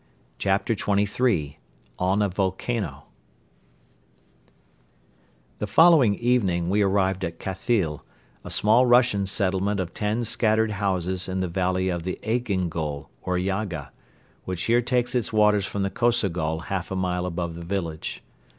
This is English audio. CHAPTER XXIII ON A VOLCANO The following evening we arrived at Khathyl, a small Russian settlement of ten scattered houses in the valley of the Egingol or Yaga, which here takes its waters from the Kosogol half a mile above the village.